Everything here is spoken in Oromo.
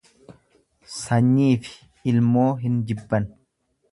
Sanyiifi ilmoo hin jibban.